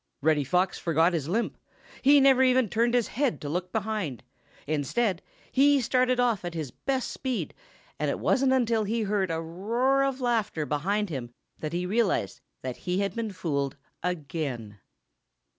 Reddy Fox forgot his limp. He never even turned his head to look behind. Instead, he started off at his best speed, and it wasn't until he heard a roar of laughter behind him that he realized that he had been fooled again.